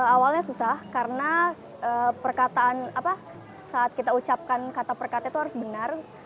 awalnya susah karena perkataan saat kita ucapkan kata perkata itu harus benar